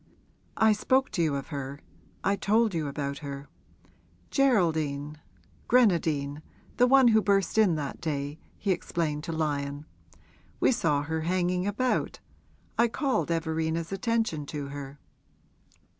I spoke to you of her I told you about her. Geraldine Grenadine the one who burst in that day,' he explained to Lyon. 'We saw her hanging about I called Everina's attention to her.'